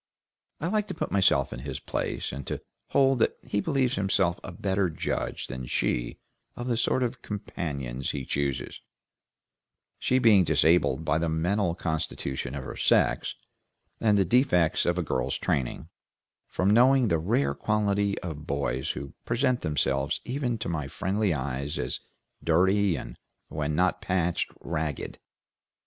I like to put myself in his place, and to hold that he believes himself a better judge than she of the sort of companions he chooses, she being disabled by the mental constitution of her sex, and the defects of a girl's training, from knowing the rare quality of boys who present themselves even to my friendly eyes as dirty, and, when not patched, ragged.